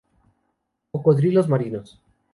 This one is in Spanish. Cocodrilos marinos